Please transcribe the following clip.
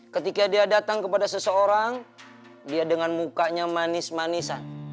ketika dia datang kepada seseorang dia dengan mukanya manis manisan